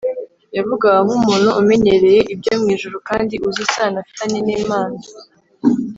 yavugaga nk’umuntu umenyereye ibyo mu juru kandi uzi isano afitanye n’imana,